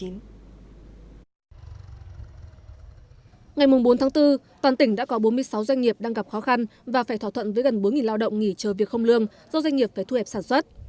ngày bốn tháng bốn toàn tỉnh đã có bốn mươi sáu doanh nghiệp đang gặp khó khăn và phải thỏa thuận với gần bốn lao động nghỉ chờ việc không lương do doanh nghiệp phải thu hẹp sản xuất